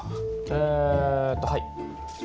えっとはい。